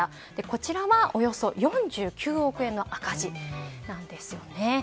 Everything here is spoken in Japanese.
こちらはおよそ４９億円の赤字なんですよね。